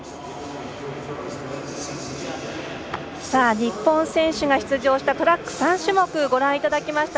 日本選手が出場したトラック３種目ご覧いただきました。